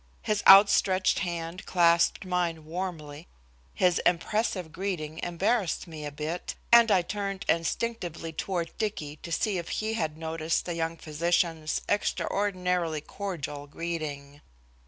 His outstretched hand clasped mine warmly, his impressive greeting embarrassed me a bit, and I turned instinctively toward Dicky to see if he had noticed the young physician's extraordinarily cordial greeting.